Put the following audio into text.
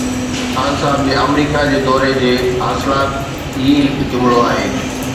خان صاحب جي آمريڪا جي دوري جي حاصلات هي هڪ جملو آهي.